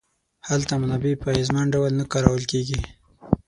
هلته منابع په اغېزمن ډول نه کارول کیږي.